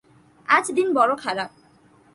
আজ দিন বড়ো খারাপ।